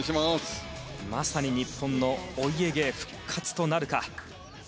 まさに日本のお家芸復活となるか。